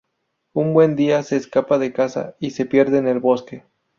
Un buen día se escapa de casa y se pierde en el bosque.